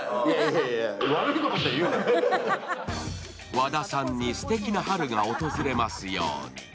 和田さんにすてきな春が訪れますように。